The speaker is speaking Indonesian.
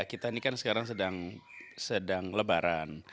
kita ini kan sekarang sedang lebaran